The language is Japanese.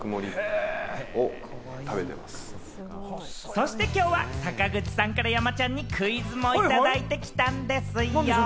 そしてきょうは坂口さんから山ちゃんにクイズもいただいてきたんですよ。